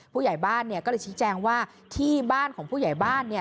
ผู้ใหญ่บ้านก็เลยชี้แจงว่าที่บ้านของผู้ใหญ่บ้านเนี่ย